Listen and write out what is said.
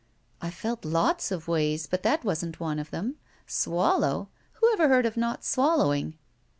"I felt lots of ways, but that wasn't one of them. Swallow! Who ever heard of not swallowing?"